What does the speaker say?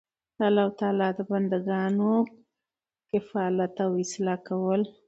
د الله تعالی د بندګانو کفالت او اصلاح کول